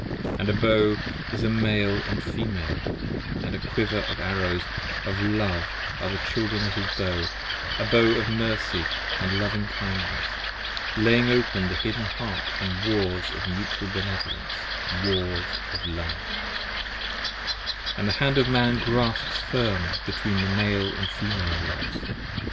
And the Bow is a Male & Female, & the Quiver of the Arrows of Love Are the Children of his Bow; a Bow of Mercy & Loving kindness, laying Open the hidden Heart in Wars of mutual Benevolence, Wars of Love: 15 And the Hand of Man grasps firm between the Male & Female Loves.